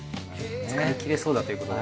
使い切れそうだということで。